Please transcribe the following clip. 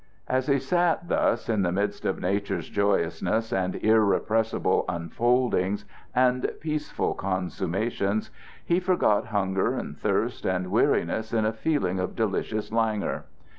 As he sat thus in the midst of Nature's joyousness and irrepressible unfoldings, and peaceful consummations, he forgot hunger and thirst and weariness in a feeling of delicious languor.